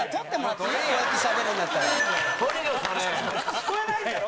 聞こえないんだろ？